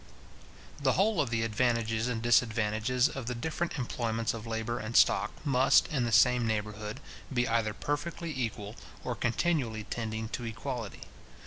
The whole of the advantages and disadvantages of the different employments of labour and stock, must, in the same neighbourhood, be either perfectly equal, or continually tending to equality.